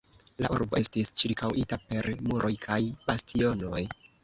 La urbo estis ĉirkaŭita per muroj kaj bastionoj.